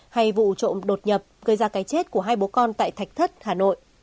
hay vụ trộm đột nhập gây ra cái chết của hai bố con tại thạch thất hà nội